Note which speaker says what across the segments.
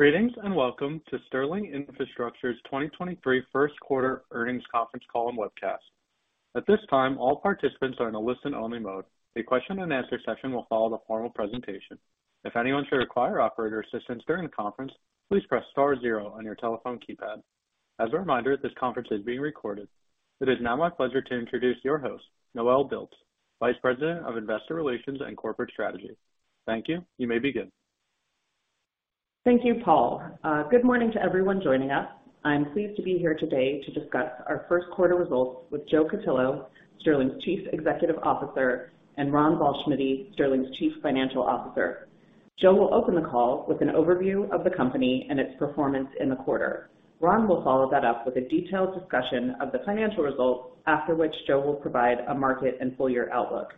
Speaker 1: Greetings, and welcome to Sterling Infrastructure's 2023 first quarter earnings conference call and webcast. At this time, all participants are in a listen-only mode. A question and answer session will follow the formal presentation. If anyone should require operator assistance during the conference, please press star zero on your telephone keypad. As a reminder, this conference is being recorded. It is now my pleasure to introduce your host, Noelle Dilts, Vice President of Investor Relations and Corporate Strategy. Thank you. You may begin.
Speaker 2: Thank you, Paul. Good morning to everyone joining us. I'm pleased to be here today to discuss our first quarter results with Joe Cutillo, Sterling's Chief Executive Officer, and Ron Ballschmiede, Sterling's Chief Financial Officer. Joe will open the call with an overview of the company and its performance in the quarter. Ron will follow that up with a detailed discussion of the financial results. After which, Joe will provide a market and full year outlook.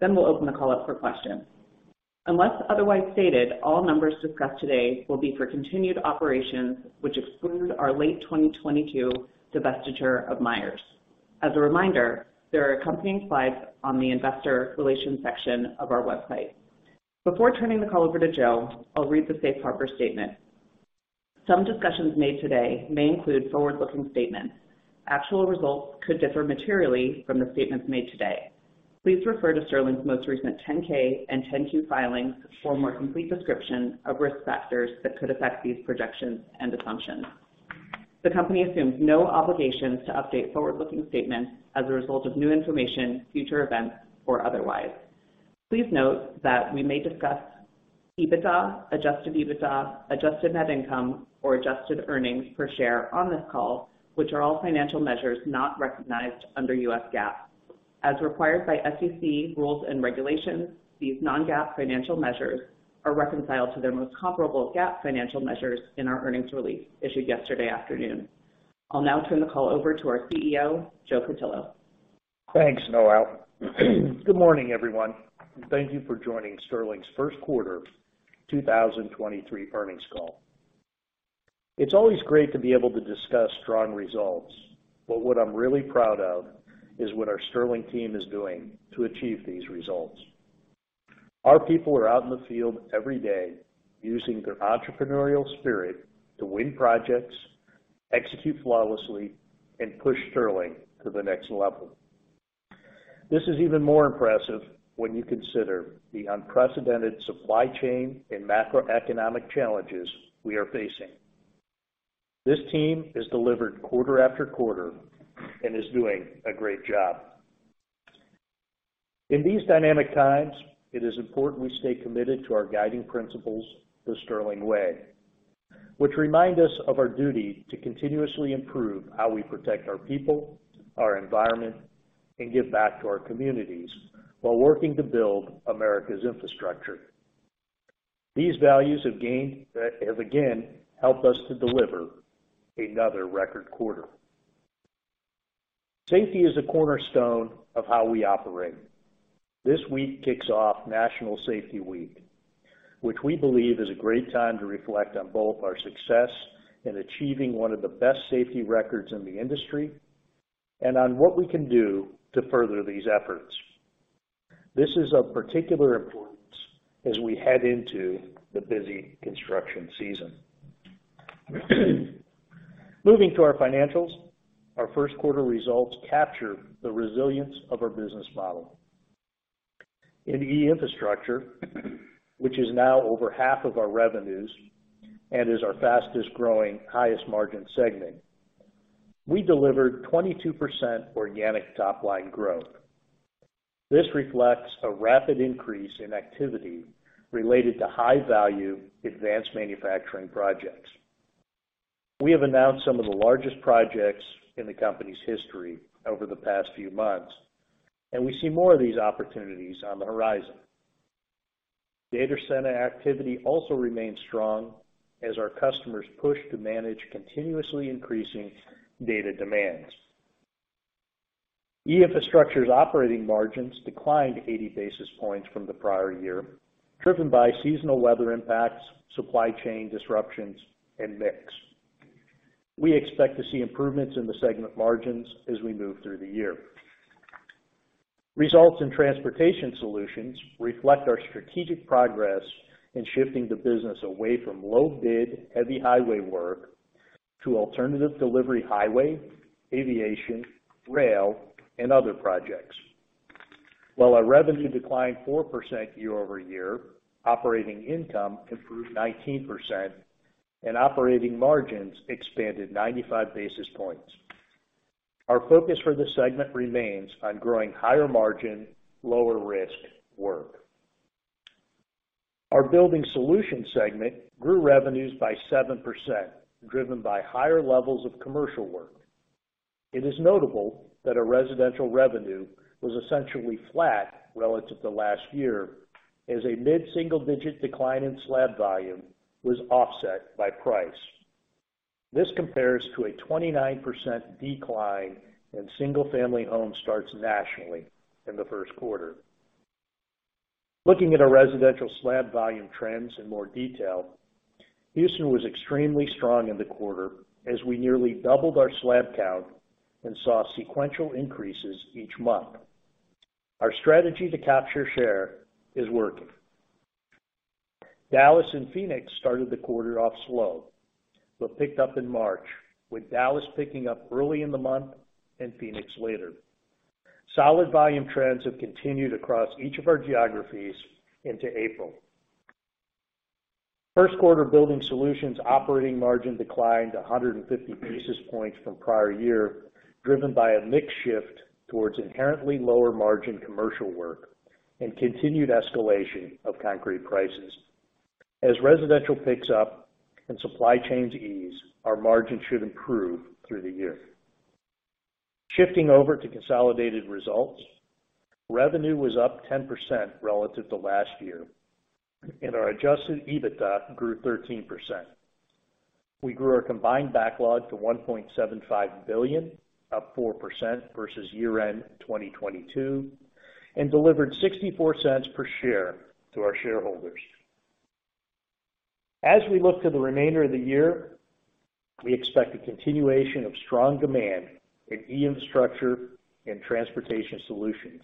Speaker 2: We'll open the call up for questions. Unless otherwise stated, all numbers discussed today will be for continued operations, which excludes our late 2022 divestiture of Myers. As a reminder, there are accompanying slides on the investor relations section of our website. Before turning the call over to Joe, I'll read the safe harbor statement. Some discussions made today may include forward-looking statements. Actual results could differ materially from the statements made today. Please refer to Sterling's most recent 10-K and 10-Q filings for a more complete description of risk factors that could affect these projections and assumptions. The company assumes no obligations to update forward-looking statements as a result of new information, future events, or otherwise. Please note that we may discuss EBITDA, Adjusted EBITDA, Adjusted Net Income, or Adjusted Earnings per share on this call, which are all financial measures not recognized under U.S. GAAP. As required by SEC rules and regulations, these non-GAAP financial measures are reconciled to their most comparable GAAP financial measures in our earnings release issued yesterday afternoon. I'll now turn the call over to our CEO, Joe Cutillo.
Speaker 3: Thanks, Noelle. Good morning, everyone. Thank you for joining Sterling's 1st quarter 2023 earnings call. It's always great to be able to discuss strong results, but what I'm really proud of is what our Sterling team is doing to achieve these results. Our people are out in the field every day using their entrepreneurial spirit to win projects, execute flawlessly, and push Sterling to the next level. This is even more impressive when you consider the unprecedented supply chain and macroeconomic challenges we are facing. This team has delivered quarter after quarter and is doing a great job. In these dynamic times, it is important we stay committed to our guiding principles, the Sterling Way, which remind us of our duty to continuously improve how we protect our people, our environment, and give back to our communities while working to build America's infrastructure. These values have again helped us to deliver another record quarter. Safety is a cornerstone of how we operate. This week kicks off Construction Safety Week, which we believe is a great time to reflect on both our success in achieving one of the best safety records in the industry and on what we can do to further these efforts. This is of particular importance as we head into the busy construction season. Moving to our financials. Our first quarter results capture the resilience of our business model. In E-Infrastructure Solutions, which is now over half of our revenues and is our fastest growing, highest margin segment, we delivered 22% organic top-line growth. This reflects a rapid increase in activity related to high-value advanced manufacturing projects. We have announced some of the largest projects in the company's history over the past few months, and we see more of these opportunities on the horizon. Data center activity also remains strong as our customers push to manage continuously increasing data demands. E-Infrastructure's operating margins declined 80 basis points from the prior year, driven by seasonal weather impacts, supply chain disruptions, and mix. We expect to see improvements in the segment margins as we move through the year. Results in Transportation Solutions reflect our strategic progress in shifting the business away from low bid, heavy highway work to alternative delivery highway, aviation, rail, and other projects. While our revenue declined 4% year-over-year, operating income improved 19% and operating margins expanded 95 basis points. Our focus for this segment remains on growing higher margin, lower risk work. Our Building Solutions segment grew revenues by 7%, driven by higher levels of commercial work. It is notable that our residential revenue was essentially flat relative to last year as a mid-single-digit decline in slab volume was offset by price. This compares to a 29% decline in single-family home starts nationally in the first quarter. Looking at our residential slab volume trends in more detail, Houston was extremely strong in the quarter as we nearly doubled our slab count and saw sequential increases each month. Our strategy to capture share is working. Dallas and Phoenix started the quarter off slow, but picked up in March, with Dallas picking up early in the month and Phoenix later. Solid volume trends have continued across each of our geographies into April. First quarter Building Solutions operating margin declined 150 basis points from prior year, driven by a mix shift towards inherently lower margin commercial work and continued escalation of concrete prices. Residential picks up and supply chains ease, our margin should improve through the year. Shifting over to consolidated results. Revenue was up 10% relative to last year. Our adjusted EBITDA grew 13%. We grew our combined backlog to $1.75 billion, up 4% versus year-end 2022. We delivered $0.64 per share to our shareholders. We look to the remainder of the year, we expect a continuation of strong demand in E-Infrastructure Solutions and Transportation Solutions,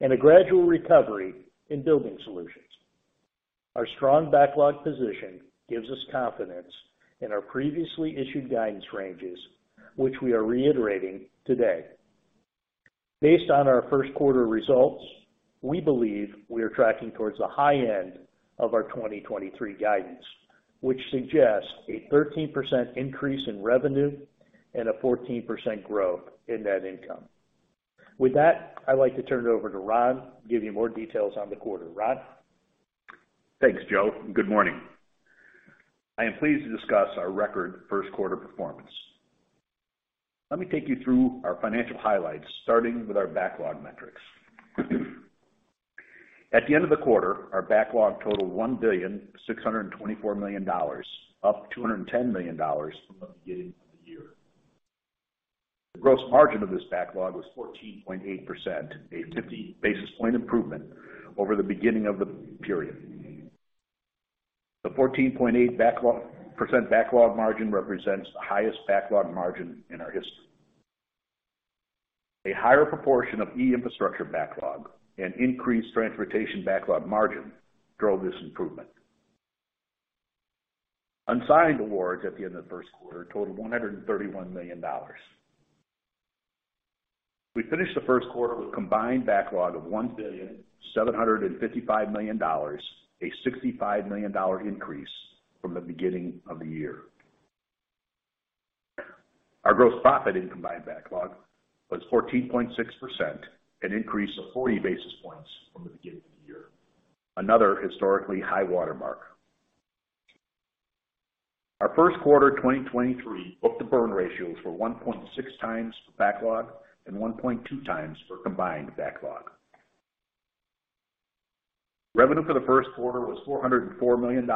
Speaker 3: and a gradual recovery in Building Solutions. Our strong backlog position gives us confidence in our previously issued guidance ranges, which we are reiterating today. Based on our first quarter results, we believe we are tracking towards the high end of our 2023 guidance, which suggests a 13% increase in revenue and a 14% growth in net income. With that, I'd like to turn it over to Ron to give you more details on the quarter. Ron?
Speaker 4: Thanks, Joe. Good morning. I am pleased to discuss our record first quarter performance. Let me take you through our financial highlights, starting with our backlog metrics. At the end of the quarter, our backlog totaled $1.624 billion, up $210 million from the beginning of the year. The gross margin of this backlog was 14.8%, a 50 basis point improvement over the beginning of the period. The 14.8% backlog margin represents the highest backlog margin in our history. A higher proportion of E-Infrastructure backlog and increased Transportation backlog margin drove this improvement. Unsigned awards at the end of the first quarter totaled $131 million. We finished the first quarter with combined backlog of $1.755 billion, a $65 million increase from the beginning of the year. Our gross profit in combined backlog was 14.6%, an increase of 40 basis points from the beginning of the year, another historically high watermark. Our first quarter 2023 book-to-burn ratios were 1.6x backlog and 1.2x for combined backlog. Revenue for the first quarter was $404 million,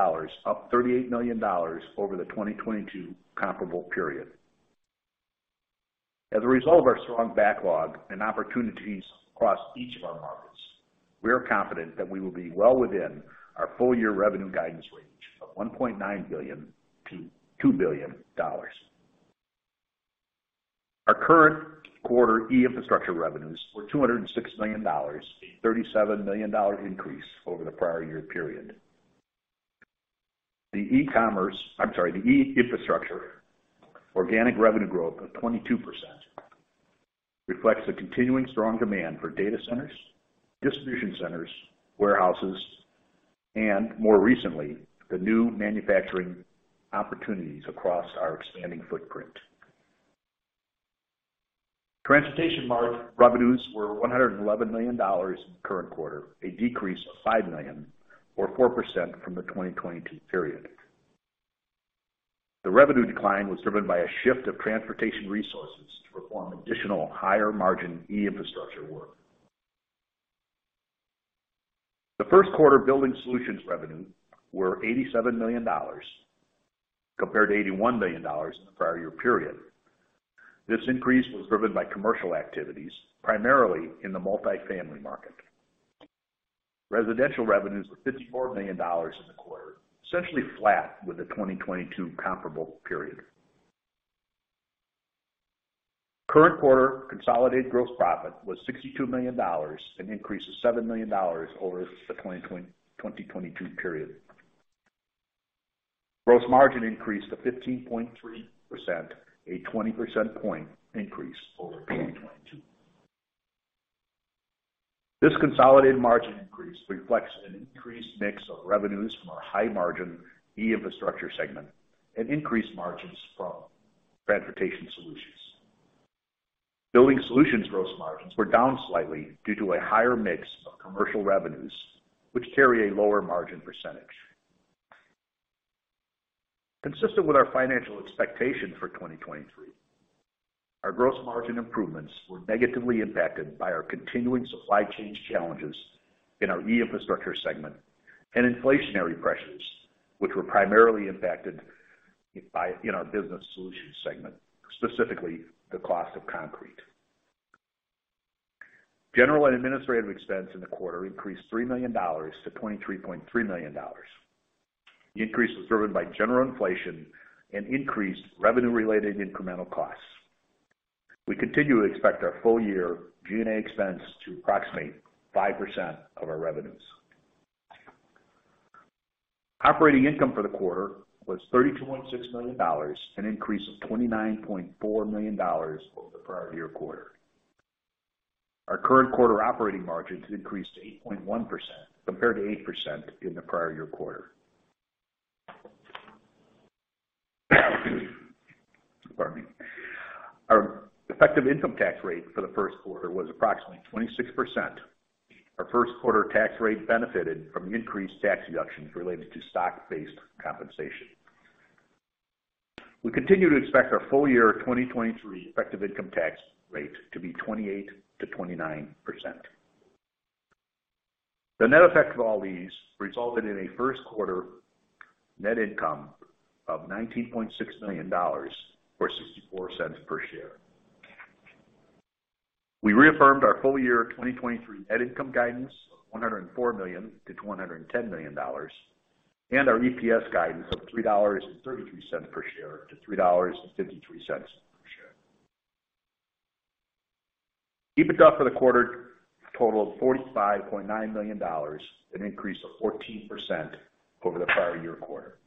Speaker 4: up $38 million over the 2022 comparable period. As a result of our strong backlog and opportunities across each of our markets, we are confident that we will be well within our full-year revenue guidance range of $1.9 billion-$2 billion. Our current quarter E-Infrastructure revenues were $206 million, a $37 million increase over the prior-year period. The e-commerce, I'm sorry, the E-Infrastructure organic revenue growth of 22% reflects the continuing strong demand for data centers, distribution centers, warehouses, and more recently, the new manufacturing opportunities across our expanding footprint. Transportation market revenues were $111 million in current quarter, a decrease of $5 million or 4% from the 2022 period. The revenue decline was driven by a shift of Transportation resources to perform additional higher-margin E-Infrastructure work. The first quarter Building Solutions revenue were $87 million compared to $81 million in the prior-year period. This increase was driven by commercial activities, primarily in the multi-family market. Residential revenues were $54 million in the quarter, essentially flat with the 2022 comparable period. Current quarter consolidated gross profit was $62 million, an increase of $7 million over the 2022 period. Gross margin increased to 15.3%, a 20 percent point increase over 2022. This consolidated margin increase reflects an increased mix of revenues from our high-margin E-Infrastructure segment and increased margins from Transportation Solutions. Building Solutions gross margins were down slightly due to a higher mix of commercial revenues, which carry a lower margin percentage. Consistent with our financial expectations for 2023, our gross margin improvements were negatively impacted by our continuing supply chain challenges in our E-Infrastructure segment and inflationary pressures, which were primarily impacted by, in our business solution segment, specifically the cost of concrete. General and administrative expense in the quarter increased $3 million to $23.3 million. The increase was driven by general inflation and increased revenue-related incremental costs. We continue to expect our full-year G&A expense to approximate 5% of our revenues. Operating income for the quarter was $32.6 million, an increase of $29.4 million over the prior year quarter. Our current quarter operating margins increased to 8.1% compared to 8% in the prior year quarter. Pardon me. Our effective income tax rate for the first quarter was approximately 26%. Our first quarter tax rate benefited from increased tax deductions related to stock-based compensation. We continue to expect our full-year 2023 effective income tax rate to be 28%-29%. The net effect of all these resulted in a first quarter net income of $19.6 million or $0.64 per share. We reaffirmed our full-year 2023 net income guidance of $104 million-$110 million, and our EPS guidance of $3.33 per share-$3.53 per share. EBITDA for the quarter totaled $45.9 million, an increase of 14% over the prior year quarter.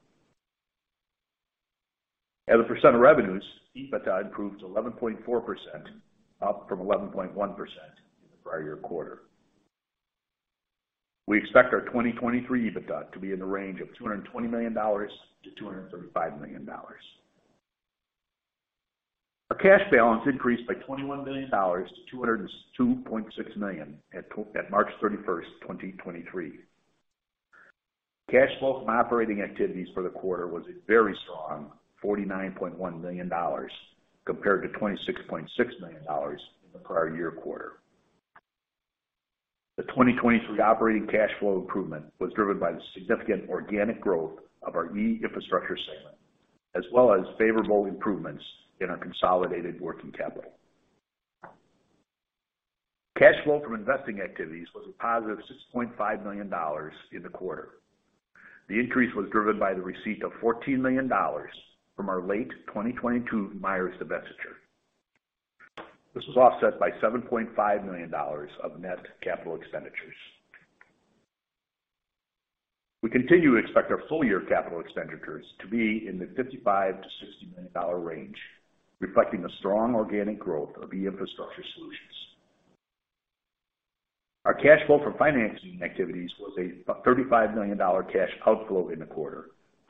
Speaker 4: As a percent of revenues, EBITDA improved to 11.4%, up from 11.1% in the prior year quarter. We expect our 2023 EBITDA to be in the range of $220 million-$235 million. Our cash balance increased by $21 million to $202.6 million at March 31st, 2023. Cash flow from operating activities for the quarter was a very strong $49.1 million compared to $26.6 million in the prior year quarter. The 2023 operating cash flow improvement was driven by the significant organic growth of our E-Infrastructure segment, as well as favorable improvements in our consolidated working capital. Cash flow from investing activities was a positive $6.5 million in the quarter. The increase was driven by the receipt of $14 million from our late 2022 Myers divestiture. This was offset by $7.5 million of net capital expenditures. We continue to expect our full-year capital expenditures to be in the $55 million-$60 million range, reflecting the strong organic growth of E-Infrastructure Solutions. Our cash flow from financing activities was a $35 million cash outflow in the quarter,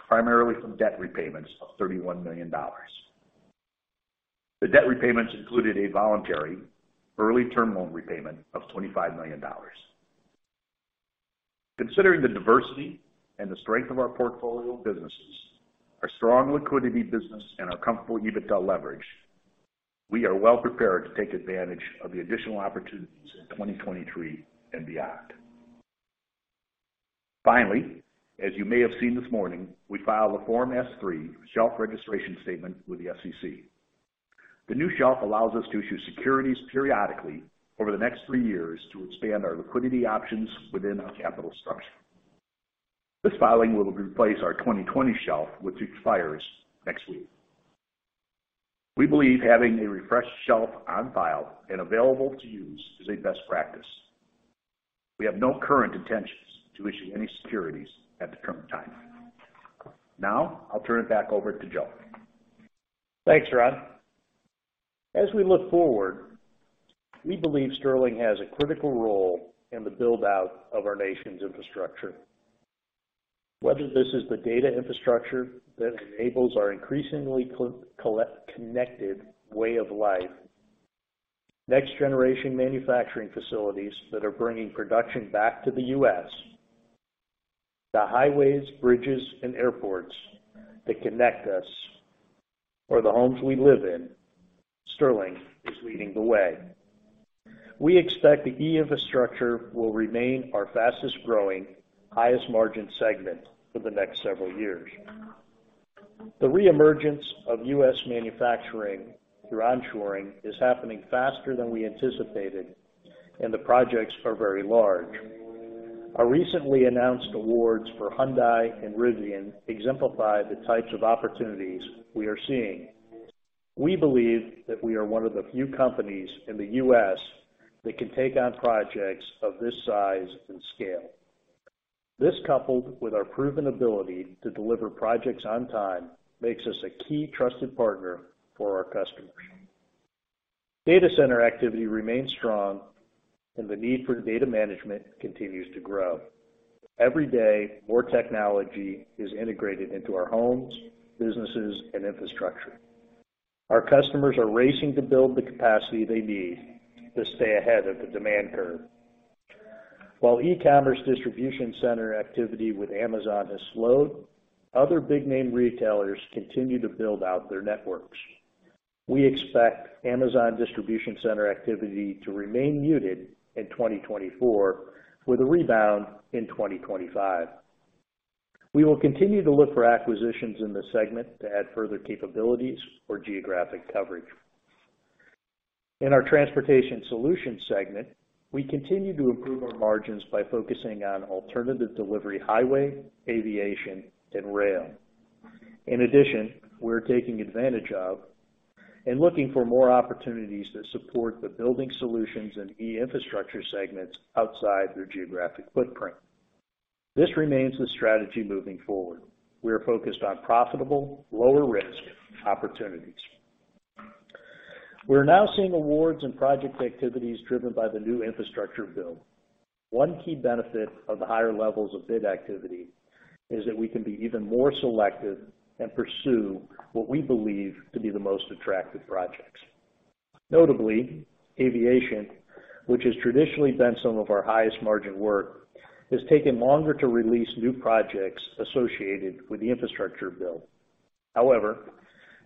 Speaker 4: primarily from debt repayments of $31 million. The debt repayments included a voluntary early term loan repayment of $25 million. Considering the diversity and the strength of our portfolio of businesses, our strong liquidity business, and our comfortable EBITDA leverage, we are well prepared to take advantage of the additional opportunities in 2023 and beyond. As you may have seen this morning, we filed a Form S-3 shelf registration statement with the SEC. The new shelf allows us to issue securities periodically over the next three years to expand our liquidity options within our capital structure. This filing will replace our 2020 shelf, which expires next week. We believe having a refreshed shelf on file and available to use is a best practice. We have no current intentions to issue any securities at the current time. Now, I'll turn it back over to Joe.
Speaker 3: Thanks, Ron. As we look forward, we believe Sterling has a critical role in the build-out of our nation's infrastructure. Whether this is the data infrastructure that enables our increasingly connected way of life, next-generation manufacturing facilities that are bringing production back to the U.S., the highways, bridges, and airports that connect us, or the homes we live in, Sterling is leading the way. We expect the E-Infrastructure will remain our fastest-growing, highest-margin segment for the next several years. The re-emergence of U.S. manufacturing through onshoring is happening faster than we anticipated, and the projects are very large. Our recently announced awards for Hyundai and Rivian exemplify the types of opportunities we are seeing. We believe that we are one of the few companies in the U.S. that can take on projects of this size and scale. This, coupled with our proven ability to deliver projects on time, makes us a key trusted partner for our customers. Data center activity remains strong, and the need for data management continues to grow. Every day, more technology is integrated into our homes, businesses, and infrastructure. Our customers are racing to build the capacity they need to stay ahead of the demand curve. While e-commerce distribution center activity with Amazon has slowed, other big-name retailers continue to build out their networks. We expect Amazon distribution center activity to remain muted in 2024, with a rebound in 2025. We will continue to look for acquisitions in this segment to add further capabilities or geographic coverage. In our Transportation Solutions segment, we continue to improve our margins by focusing on alternative delivery highway, aviation and rail. In addition, we're taking advantage of and looking for more opportunities that support the Building Solutions and E-Infrastructure segments outside their geographic footprint. This remains the strategy moving forward. We are focused on profitable, lower risk opportunities. We're now seeing awards and project activities driven by the new infrastructure bill. One key benefit of the higher levels of bid activity is that we can be even more selective and pursue what we believe to be the most attractive projects. Notably, aviation, which has traditionally been some of our highest margin work, has taken longer to release new projects associated with the infrastructure bill.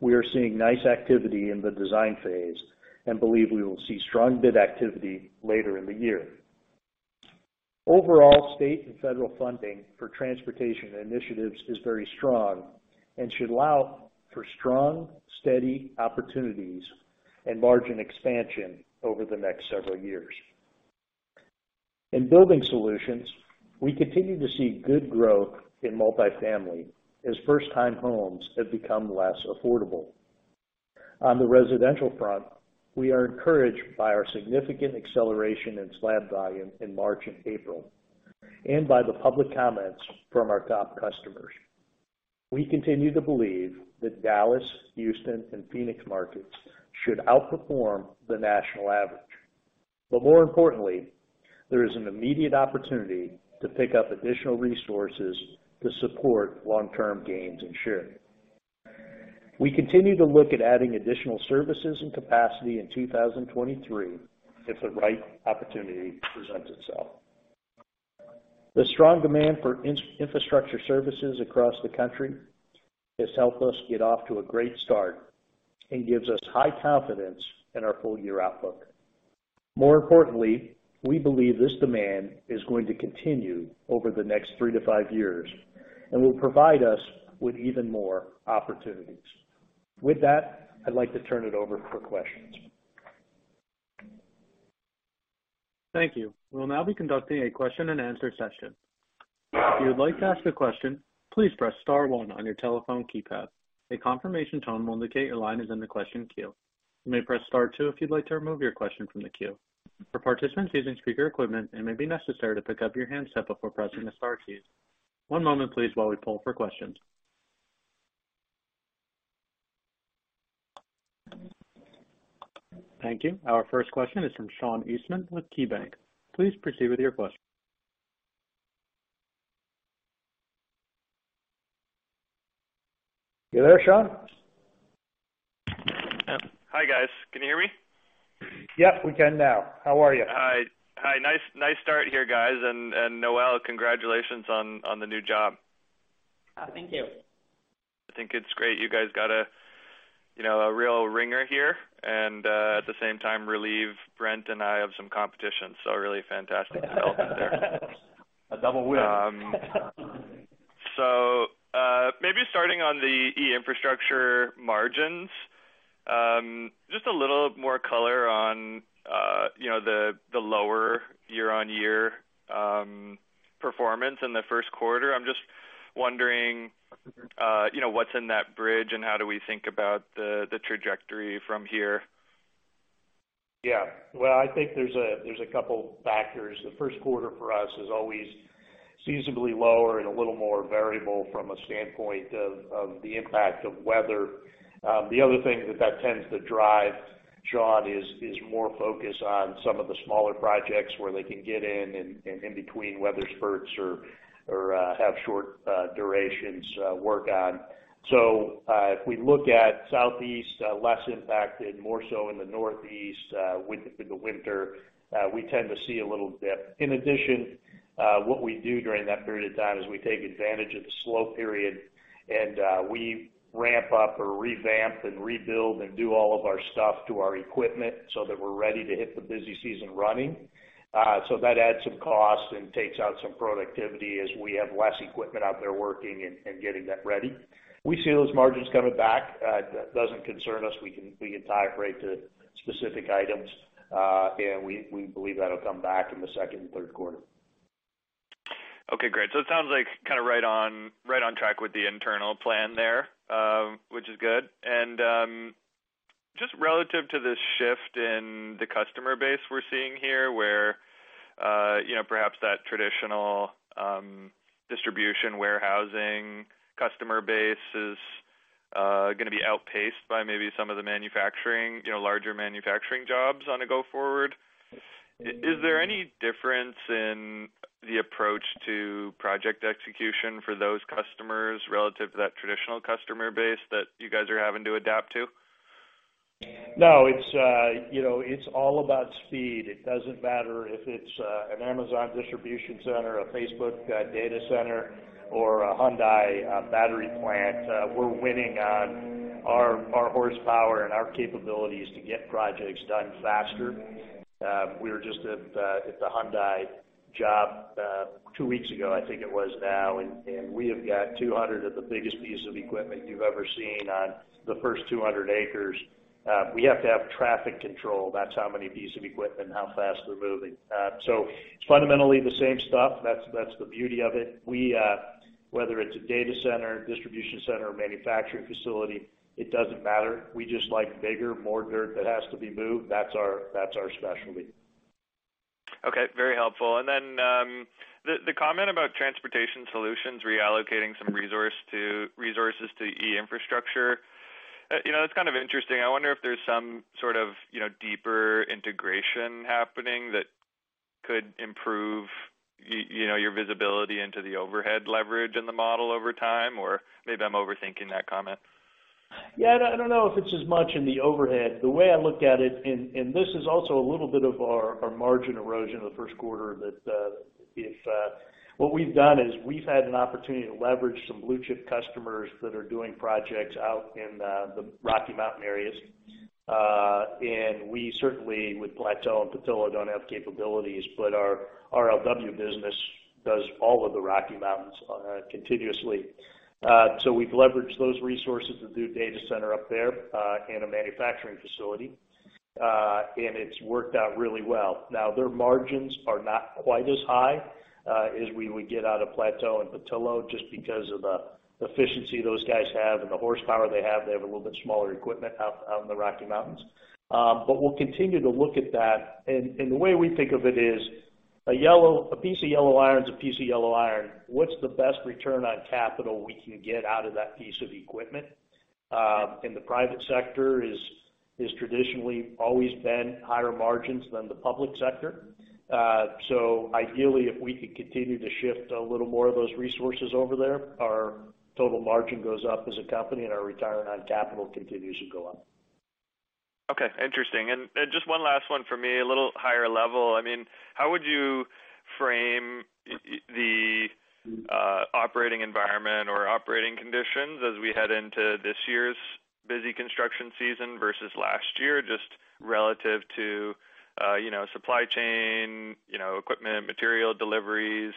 Speaker 3: We are seeing nice activity in the design phase and believe we will see strong bid activity later in the year. Overall, state and federal funding for transportation initiatives is very strong and should allow for strong, steady opportunities and margin expansion over the next several years. In Building Solutions, we continue to see good growth in multifamily as first time homes have become less affordable. On the residential front, we are encouraged by our significant acceleration in slab volume in March and April, and by the public comments from our top customers. We continue to believe that Dallas, Houston and Phoenix markets should outperform the national average. More importantly, there is an immediate opportunity to pick up additional resources to support long-term gains in share. We continue to look at adding additional services and capacity in 2023 if the right opportunity presents itself. The strong demand for infrastructure services across the country has helped us get off to a great start and gives us high confidence in our full year outlook. We believe this demand is going to continue over the next three to five years and will provide us with even more opportunities. With that, I'd like to turn it over for questions.
Speaker 1: Thank you. We'll now be conducting a question-and-answer session. If you would like to ask a question, please press star one on your telephone keypad. A confirmation tone will indicate your line is in the question queue. You may press star two if you'd like to remove your question from the queue. For participants using speaker equipment, it may be necessary to pick up your handset before pressing the star keys. One moment please while we poll for questions. Thank you. Our first question is from Sean Eastman with KeyBanc. Please proceed with your question.
Speaker 3: You there, Sean?
Speaker 5: Yep. Hi, guys. Can you hear me?
Speaker 3: Yes, we can now. How are you?
Speaker 5: Hi. Nice start here, guys. Noel, congratulations on the new job.
Speaker 2: Thank you.
Speaker 5: I think it's great. You guys got a, you know, a real ringer here, and at the same time relieve Brent Thielman and I of some competition. Really fantastic development there.
Speaker 3: A double win.
Speaker 5: Maybe starting on the E-Infrastructure margins, just a little more color on, you know, the lower year-on-year performance in the first quarter. I'm just wondering, you know, what's in that bridge and how do we think about the trajectory from here?
Speaker 3: Well, I think there's a couple factors. The first quarter for us is always seasonably lower and a little more variable from a standpoint of the impact of weather. The other thing that tends to drive, Sean, is more focus on some of the smaller projects where they can get in and in between weather spurts or have short durations work on. If we look at Southeast, less impacted, more so in the Northeast, with the winter, we tend to see a little dip. In addition, what we do during that period of time is we take advantage of the slow period and we ramp up or revamp and rebuild and do all of our stuff to our equipment so that we're ready to hit the busy season running. That adds some cost and takes out some productivity as we have less equipment out there working and getting that ready. We see those margins coming back. That doesn't concern us. We can tie it right to specific items, and we believe that'll come back in the second and third quarter.
Speaker 5: Okay, great. It sounds like kinda right on track with the internal plan there, which is good. Just relative to the shift in the customer base we're seeing here, where, you know, perhaps that traditional distribution warehousing customer base is gonna be outpaced by maybe some of the manufacturing, you know, larger manufacturing jobs on a go forward. Is there any difference in the approach to project execution for those customers relative to that traditional customer base that you guys are having to adapt to?
Speaker 3: No, it's, you know, it's all about speed. It doesn't matter if it's an Amazon distribution center, a Facebook data center, or a Hyundai battery plant. We're winning on our horsepower and our capabilities to get projects done faster. We were just at the Hyundai job ywo weeks ago, I think it was now. We have got 200 of the biggest piece of equipment you've ever seen on the first 200 acres. We have to have traffic control. That's how many pieces of equipment, how fast they're moving. It's fundamentally the same stuff. That's the beauty of it. We, whether it's a data center, distribution center, manufacturing facility, it doesn't matter. We just like bigger, more dirt that has to be moved. That's our specialty.
Speaker 5: Okay, very helpful. The comment about Transportation Solutions reallocating some resources to E-Infrastructure, you know, it's kind of interesting. I wonder if there's some sort of, you know, deeper integration happening that could improve you know, your visibility into the overhead leverage in the model over time, or maybe I'm overthinking that comment.
Speaker 3: Yeah, I don't know if it's as much in the overhead. The way I look at it, and this is also a little bit of our margin erosion in the first quarter, that if what we've done is we've had an opportunity to leverage some blue-chip customers that are doing projects out in the Rocky Mountain areas. We certainly, with Plateau and Petillo, don't have capabilities, but our RLW business does all of the Rocky Mountains continuously. We've leveraged those resources to do a data center up there and a manufacturing facility. It's worked out really well. Now, their margins are not quite as high as we would get out of Plateau and Petillo just because of the efficiency those guys have and the horsepower they have. They have a little bit smaller equipment out in the Rocky Mountains. We'll continue to look at that. The way we think of it is a piece of yellow iron is a piece of yellow iron. What's the best return on capital we can get out of that piece of equipment? The private sector is traditionally always been higher margins than the public sector. Ideally, if we could continue to shift a little more of those resources over there, our total margin goes up as a company, and our return on capital continues to go up.
Speaker 5: Okay, interesting. Just one last one for me, a little higher level. I mean, how would you frame the operating environment or operating conditions as we head into this year's busy construction season versus last year, just relative to, you know, supply chain, you know, equipment, material deliveries,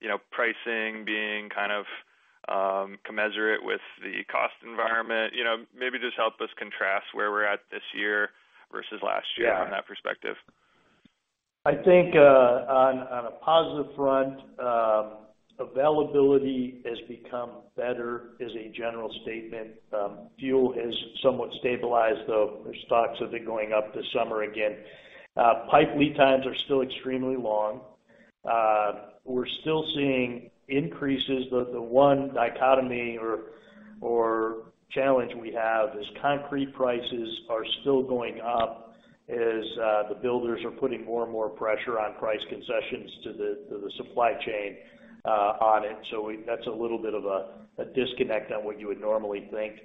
Speaker 5: you know, pricing being kind of commiserate with the cost environment? You know, maybe just help us contrast where we're at this year versus last year.
Speaker 3: Yeah.
Speaker 5: -from that perspective.
Speaker 3: I think, on a positive front, availability has become better as a general statement. Fuel has somewhat stabilized, though there's talks of it going up this summer again. Pipe lead times are still extremely long. We're still seeing increases, but the one dichotomy or challenge we have is concrete prices are still going up as the builders are putting more and more pressure on price concessions to the supply chain on it. That's a little bit of a disconnect on what you would normally think.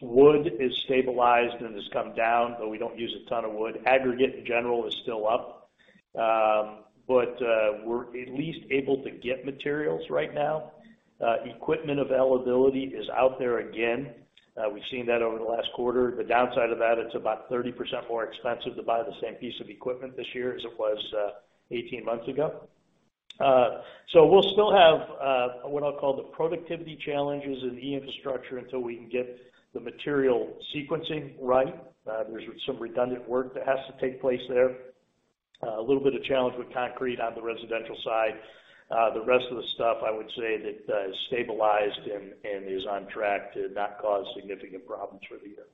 Speaker 3: Wood is stabilized and has come down, but we don't use a ton of wood. Aggregate, in general, is still up. We're at least able to get materials right now. Equipment availability is out there again. We've seen that over the last quarter. The downside of that, it's about 30% more expensive to buy the same piece of equipment this year as it was, 18 months ago. We'll still have, what I'll call the productivity challenges in E-Infrastructure until we can get the material sequencing right. There's some redundant work that has to take place there. A little bit of challenge with concrete on the residential side. The rest of the stuff I would say that, is stabilized and is on track to not cause significant problems for the year.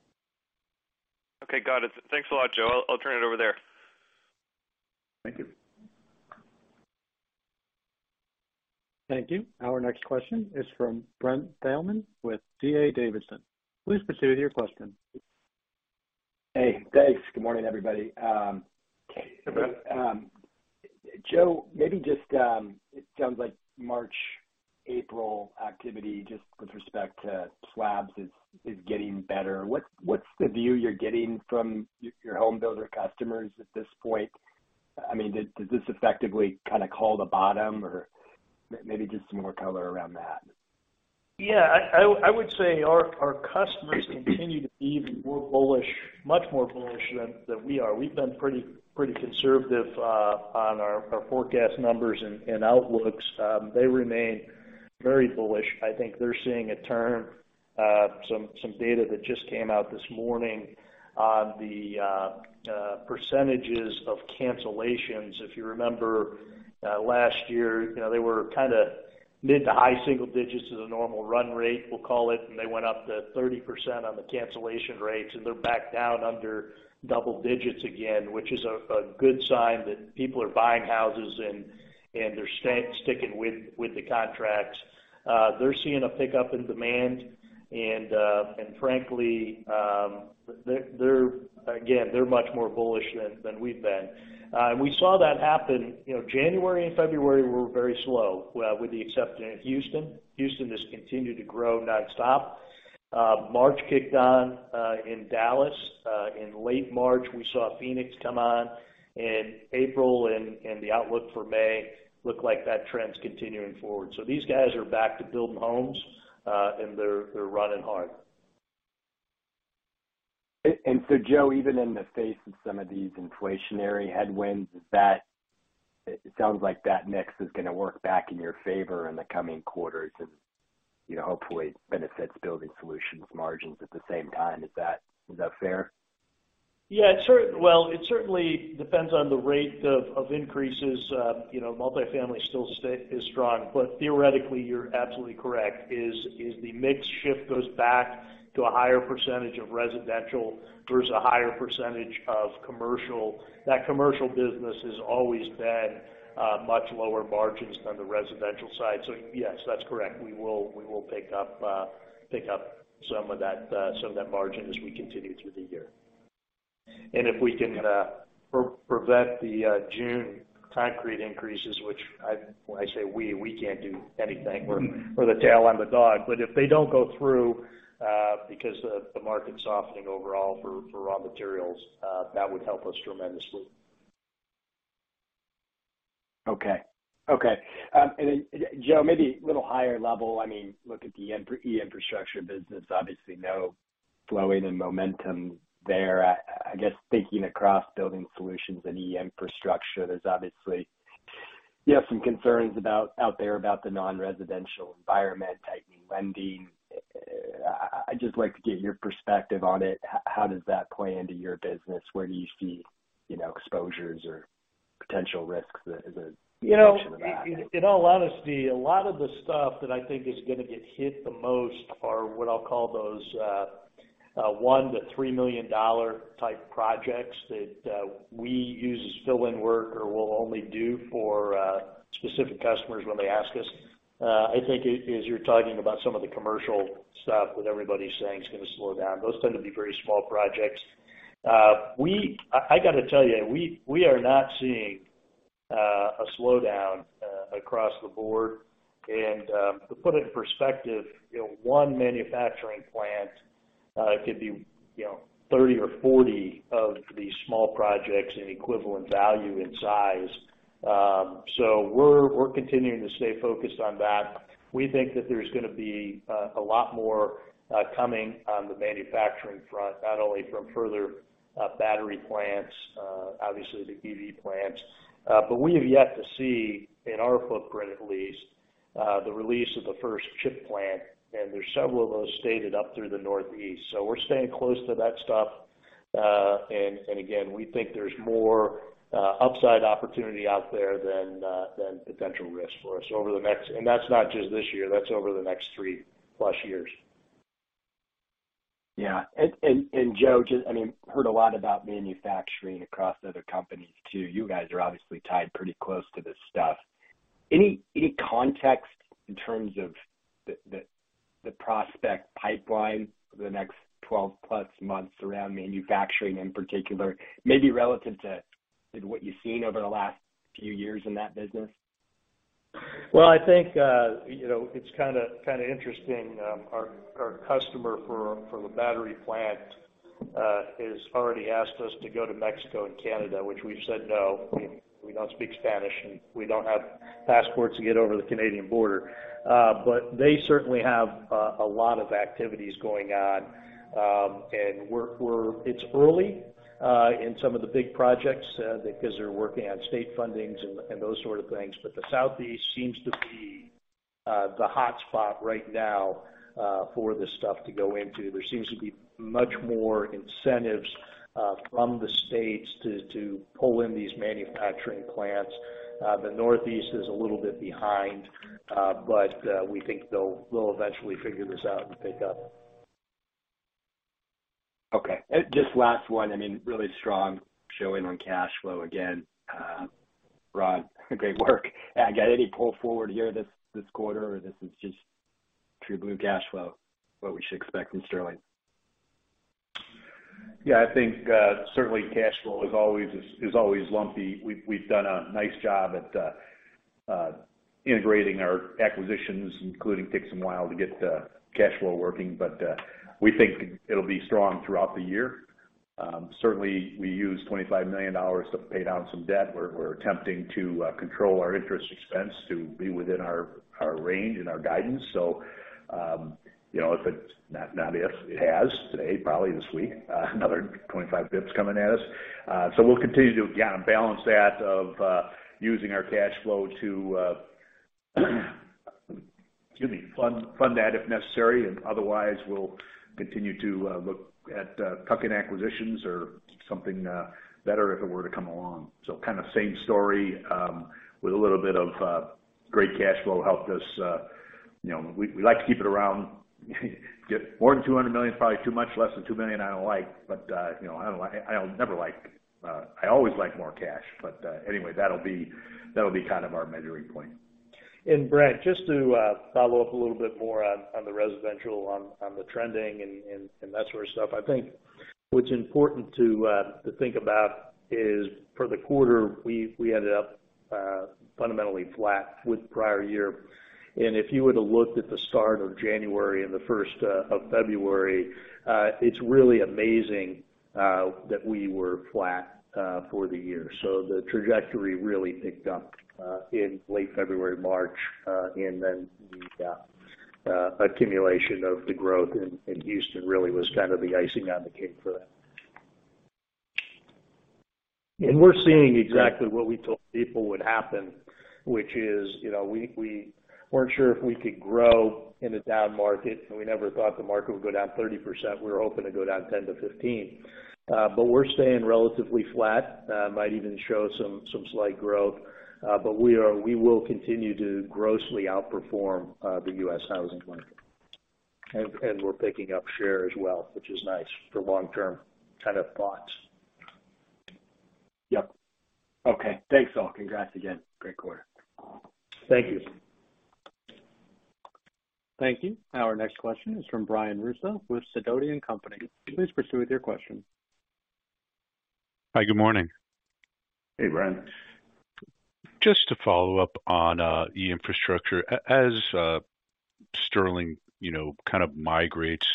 Speaker 5: Okay, got it. Thanks a lot, Joe. I'll turn it over there.
Speaker 3: Thank you.
Speaker 1: Thank you. Our next question is from Brent Thielman with D.A. Davidson. Please proceed with your question.
Speaker 6: Hey, thanks. Good morning, everybody.
Speaker 3: Hey, Brent.
Speaker 6: Joe, maybe just, it sounds like March, April activity, just with respect to slabs, is getting better. What's the view you're getting from your home builder customers at this point? I mean, does this effectively kinda call the bottom or maybe just some more color around that?
Speaker 3: Yeah. I would say our customers continue to be even more bullish, much more bullish than we are. We've been pretty conservative on our forecast numbers and outlooks. They remain very bullish. I think they're seeing a turn. Some data that just came out this morning on the percentages of cancellations. If you remember, last year, you know, they were kinda mid to high single digits as a normal run rate, we'll call it, and they went up to 30% on the cancellation rates, and they're back down under double digits again, which is a good sign that people are buying houses and they're sticking with the contracts. They're seeing a pickup in demand. Frankly, again, they're much more bullish than we've been. We saw that happen. You know, January and February were very slow, with the exception of Houston. Houston has continued to grow nonstop. March kicked on in Dallas. In late March, we saw Phoenix come on. April and the outlook for May look like that trend's continuing forward. These guys are back to building homes, and they're running hard.
Speaker 6: Joe, even in the face of some of these inflationary headwinds, It sounds like that mix is gonna work back in your favor in the coming quarters and, you know, hopefully benefits Building Solutions margins at the same time. Is that fair?
Speaker 3: Yeah. Sure. Well, it certainly depends on the rate of increases. You know, multifamily is strong, Theoretically, you're absolutely correct, is the mix shift goes back to a higher percentage of residential versus a higher percentage of commercial. That commercial business has always been much lower margins than the residential side. Yes, that's correct. We will pick up some of that margin as we continue through the year. If we can, pre-prevent the June concrete increases, which when I say we can't do anything. We're the tail, I'm the dog. If they don't go through, because of the market softening overall for raw materials, that would help us tremendously.
Speaker 6: Okay. Okay. Joe, maybe a little higher level. I mean, look at the E-Infrastructure business, obviously, no flowing and momentum there. I guess, thinking across Building Solutions and E-Infrastructure, there's obviously, you have some concerns out there about the non-residential environment, tightening lending. I just like to get your perspective on it. How does that play into your business? Where do you see, you know, exposures or potential risks as a function of that?
Speaker 3: You know, in all honesty, a lot of the stuff that I think is gonna get hit the most are what I'll call those one to three million dollar type projects that we use as fill-in work or will only do for specific customers when they ask us. I think it is you're talking about some of the commercial stuff with everybody saying it's gonna slow down. Those tend to be very small projects. I gotta tell you, we are not seeing a slowdown across the board. To put it in perspective, you know, one manufacturing plant could be, you know, 30 or 40 of these small projects in equivalent value and size. We're, we're continuing to stay focused on that. We think that there's gonna be a lot more coming on the manufacturing front, not only from further battery plants, obviously the EV plants. We have yet to see in our footprint, at least, the release of the first chip plant, and there's several of those stated up through the Northeast. We're staying close to that stuff. Again, we think there's more upside opportunity out there than potential risk for us. That's not just this year, that's over the next 3+ years.
Speaker 6: Yeah. Joe, just, I mean, heard a lot about manufacturing across other companies, too. You guys are obviously tied pretty close to this stuff. Any context in terms of the prospect pipeline for the next 12+ months around manufacturing in particular, maybe relative to, you know, what you've seen over the last few years in that business?
Speaker 3: Well, I think, you know, it's kinda interesting, our customer for the battery plant has already asked us to go to Mexico and Canada, which we've said, no, we don't speak Spanish, and we don't have passports to get over the Canadian border. They certainly have a lot of activities going on. We're early in some of the big projects because they're working on state fundings and those sort of things. The Southeast seems to be the hotspot right now for this stuff to go into. There seems to be much more incentives from the states to pull in these manufacturing plants. The Northeast is a little bit behind, but we think they'll eventually figure this out and pick up.
Speaker 6: Okay. Just last one. I mean, really strong showing on cash flow again, Ron. Great work. Again, any pull forward here this quarter, or this is just true blue cash flow, what we should expect from Sterling?
Speaker 4: Yeah, I think, certainly cash flow is always lumpy. We've done a nice job at integrating our acquisitions, including takes a while to get the cash flow working, but we think it'll be strong throughout the year. Certainly, we use $25 million to pay down some debt. We're attempting to control our interest expense to be within our range and our guidance. You know, it has today, probably this week, another 25 bits coming at us. We'll continue to, again, balance that of using our cash flow to, excuse me, fund that if necessary. Otherwise, we'll continue to look at tuck-in acquisitions or something better if it were to come along. kind of same story, with a little bit of great cash flow helped us. you know, we like to keep it around. Get more than $200 million, probably too much, less than $2 million, I don't like. you know, I'll never like. I always like more cash. anyway, that'll be kind of our measuring point.
Speaker 3: Brent Thielman, just to follow up a little bit more on the residential, on the trending and that sort of stuff. I think what's important to think about is for the quarter, we ended up fundamentally flat with prior year. If you were to look at the start of January and the first of February, it's really amazing that we were flat for the year. The trajectory really picked up in late February, March, and then the accumulation of the growth in Houston really was kind of the icing on the cake for that. We're seeing exactly what we told people would happen, which is, you know, we weren't sure if we could grow in a down market, and we never thought the market would go down 30%. We were hoping to go down 10-15. We're staying relatively flat, might even show some slight growth. We will continue to grossly outperform the U.S. housing market. We're picking up share as well, which is nice for long-term kind of thoughts.
Speaker 7: Yep. Okay. Thanks, all. Congrats again. Great quarter.
Speaker 3: Thank you.
Speaker 1: Thank you. Our next question is from Brian Russo with Sidoti & Company. Please proceed with your question.
Speaker 8: Hi, good morning.
Speaker 3: Hey, Brian.
Speaker 8: Just to follow up on, E-Infrastructure. As Sterling, you know, kind of migrates,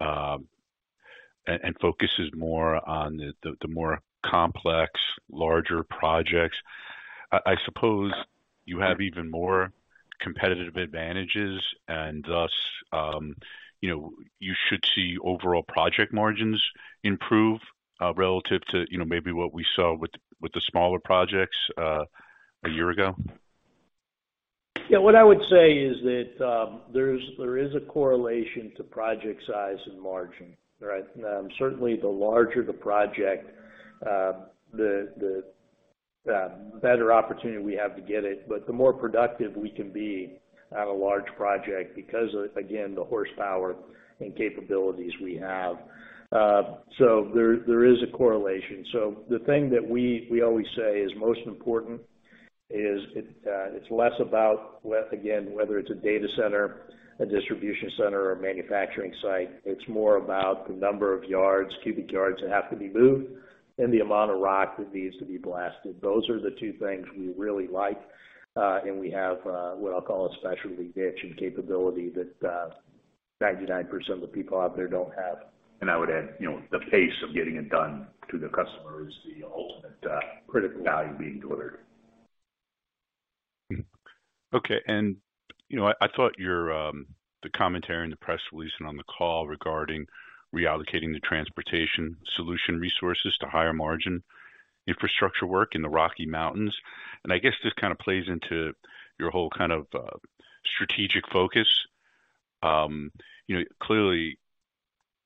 Speaker 8: and focuses more on the more complex, larger projects, I suppose you have even more competitive advantages and thus, you know, you should see overall project margins improve, relative to, you know, maybe what we saw with the smaller projects, a year ago.
Speaker 3: What I would say is that there is a correlation to project size and margin, right? Certainly the larger the project, the better opportunity we have to get it, but the more productive we can be on a large project because of, again, the horsepower and capabilities we have. There is a correlation. The thing that we always say is most important is it's less about again, whether it's a data center, a distribution center or a manufacturing site. It's more about the number of yards, cubic yards that have to be moved and the amount of rock that needs to be blasted. Those are the two things we really like, and we have what I'll call a specialty niche and capability that 99% of the people out there don't have.
Speaker 2: I would add, you know, the pace of getting it done to the customer is the ultimate.
Speaker 3: Critical...
Speaker 2: value being delivered.
Speaker 8: Okay. You know, I thought your the commentary in the press release and on the call regarding reallocating the Transportation Solutions resources to higher margin infrastructure work in the Rocky Mountains, and I guess this kind of plays into your whole kind of strategic focus. You know, clearly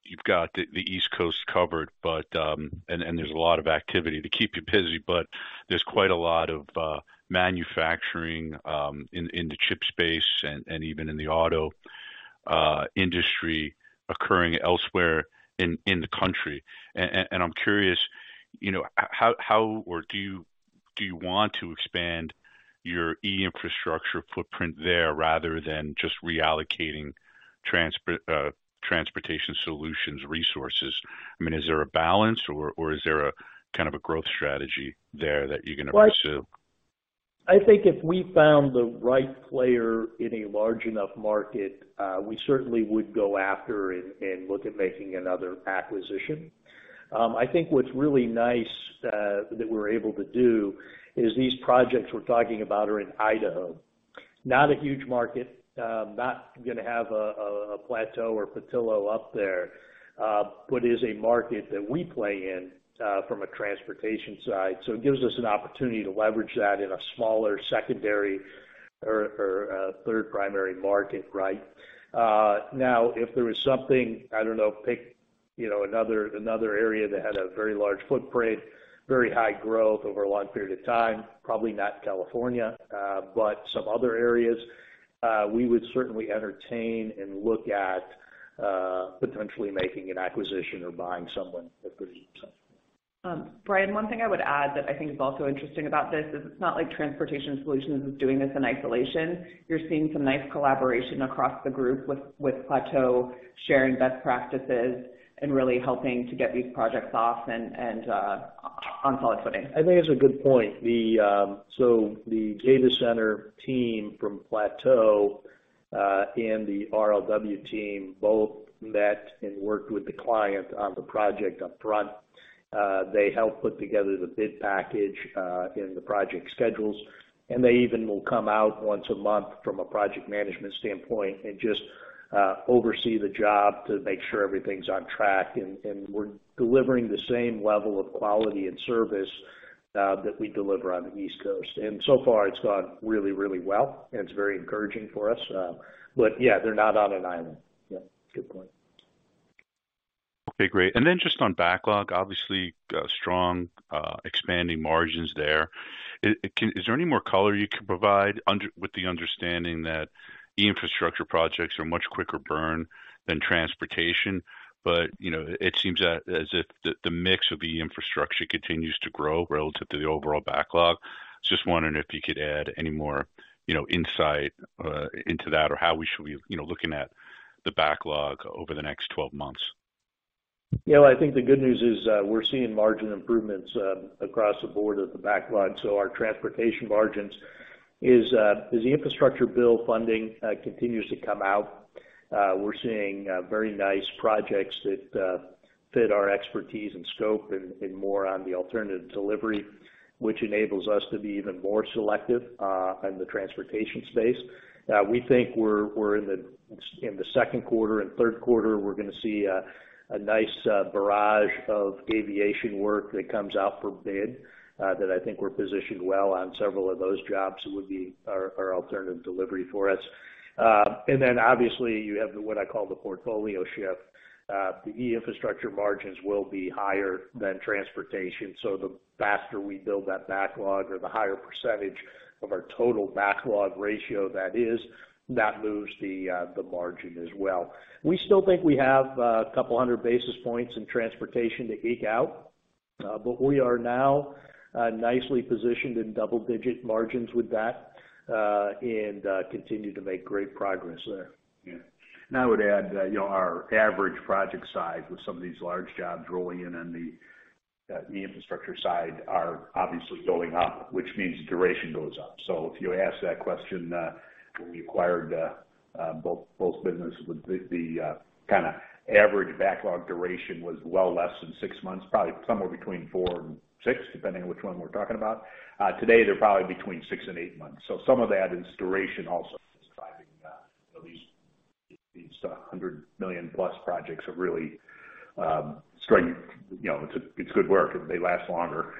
Speaker 8: you've got the East Coast covered, but and there's a lot of activity to keep you busy, but there's quite a lot of manufacturing in the chip space and even in the auto industry occurring elsewhere in the country. I'm curious, you know, how or do you want to expand your E-Infrastructure footprint there rather than just reallocating Transportation Solutions resources? I mean, is there a balance or is there a kind of a growth strategy there that you're gonna pursue?
Speaker 3: Well, I think if we found the right player in a large enough market, we certainly would go after and look at making another acquisition. I think what's really nice that we're able to do is these projects we're talking about are in Idaho. Not a huge market, not gonna have a Plateau or Petillo up there, but is a market that we play in from a transportation side. It gives us an opportunity to leverage that in a smaller secondary or third primary market, right? If there is something, I don't know, pick, you know, another area that had a very large footprint, very high growth over a long period of time, probably not California, but some other areas, we would certainly entertain and look at, potentially making an acquisition or buying someone that does something.
Speaker 2: Brian, one thing I would add that I think is also interesting about this is it's not like Transportation Solutions is doing this in isolation. You're seeing some nice collaboration across the group with Plateau sharing best practices and really helping to get these projects off and on solid footing.
Speaker 3: I think that's a good point. The data center team from Plateau and the RLW team both met and worked with the client on the project upfront. They helped put together the bid package, and the project schedules, and they even will come out once a month from a project management standpoint and just oversee the job to make sure everything's on track. We're delivering the same level of quality and service that we deliver on the East Coast. So far it's gone really, really well, and it's very encouraging for us. Yeah, they're not on an island. Yeah, good point.
Speaker 8: Okay, great. Then just on backlog, obviously, strong, expanding margins there. Is there any more color you can provide with the understanding that E-Infrastructure projects are much quicker burn than Transportation, but, you know, it seems as if the mix of E-Infrastructure continues to grow relative to the overall backlog. Just wondering if you could add any more, you know, insight, into that or how we should be, you know, looking at the backlog over the next 12 months?
Speaker 3: Yeah. Well, I think the good news is, we're seeing margin improvements across the board at the backlog. Our transportation margins is, as the infrastructure bill funding continues to come out, we're seeing very nice projects that Fit our expertise and scope and more on the alternative delivery, which enables us to be even more selective in the transportation space. We think we're in the second quarter and third quarter, we're gonna see a nice barrage of aviation work that comes out for bid, that I think we're positioned well on several of those jobs, would be our alternative delivery for us. Obviously, you have the what I call the portfolio shift. The E-Infrastructure margins will be higher than transportation. The faster we build that backlog or the higher percentage of our total backlog ratio that is, that moves the margin as well. We still think we have a couple hundred basis points in Transportation to eke out, but we are now nicely positioned in double-digit margins with that, and continue to make great progress there.
Speaker 4: Yeah. I would add, you know, our average project size with some of these large jobs rolling in on the infrastructure side are obviously going up, which means duration goes up. If you ask that question, when we acquired both business, the kind of average backlog duration was well less than six months, probably somewhere between four and six, depending on which one we're talking about. Today, they're probably between six and eight months. Some of that is duration also is driving, you know, these $100 million-plus projects are really, you know, it's good work and they last longer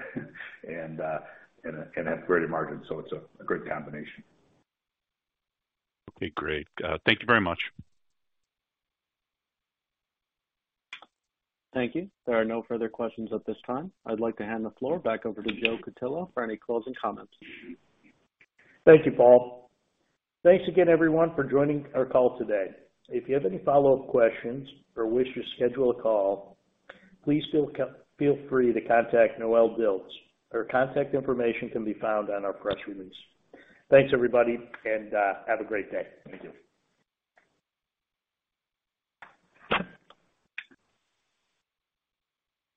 Speaker 4: and have greater margins, it's a great combination.
Speaker 2: Okay, great. Thank you very much.
Speaker 1: Thank you. There are no further questions at this time. I'd like to hand the floor back over to Joe Cutillo for any closing comments.
Speaker 3: Thank you, Paul. Thanks again everyone for joining our call today. If you have any follow-up questions or wish to schedule a call, please feel free to contact Noel Dilts. Her contact information can be found on our press release. Thanks, everybody, and have a great day.
Speaker 4: Thank you.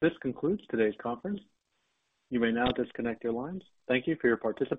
Speaker 1: This concludes today's conference. You may now disconnect your lines. Thank you for your participation.